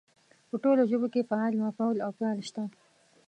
په ټولو ژبو کې فاعل، مفعول او فعل شته.